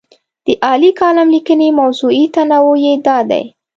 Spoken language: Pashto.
د عالي کالم لیکنې موضوعي تنوع یې دا دی.